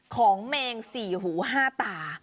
แมงสี่หูห้าตา